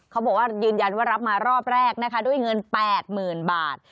เขาบอกว่ายืนยันว่ารับมารอบแรกนะคะด้วยเงิน๘๐๐๐บาท